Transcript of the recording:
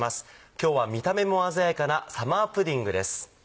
今日は見た目も鮮やかな「サマープディング」です。